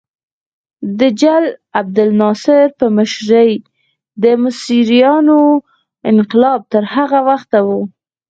د جل عبدالناصر په مشرۍ د مصریانو انقلاب تر هغه وخته و.